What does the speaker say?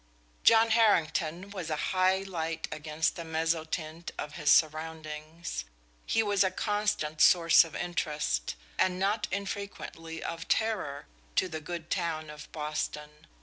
John Harrington was a high light against the mezzotint of his surroundings. He was a constant source of interest, and not infrequently of terror, to the good town of Boston.